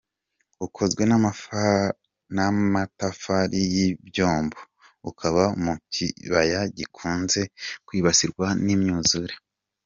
Ukozwe n’ amatafari y’ ibyombo, ukaba mu kibaya gikunze kwibasirwa n’ imyuzure.